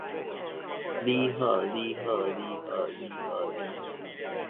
你的目的地是在舊金山嗎